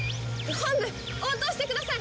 本部応答してください！